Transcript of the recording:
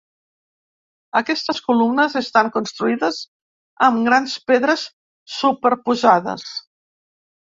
Aquestes columnes estan construïdes amb grans pedres superposades.